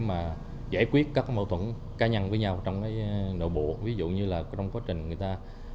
mà giải quyết các mâu thuẫn cá nhân với nhau trong cái nội bộ ví dụ như là trong quá trình người ta